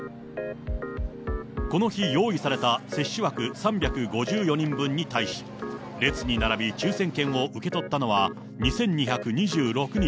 この日用意された接種枠３５４人分に対し、列に並び、抽せん券を受け取ったのは２２２６人。